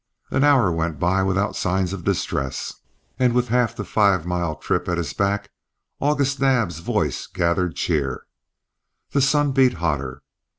An hour went by without signs of distress; and with half the five mile trip at his back August Naab's voice gathered cheer. The sun beat hotter.